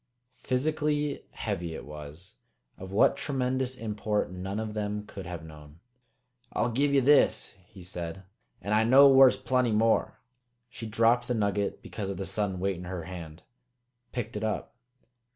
Physically heavy it was; of what tremendous import none then could have known. "I'll give ye this!" he said. "An' I know whar's plenty more." She dropped the nugget because of the sudden weight in her hand; picked it up.